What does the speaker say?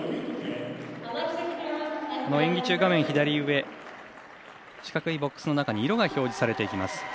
この演技中、画面左上四角いボックスの中に色が表示されていきます。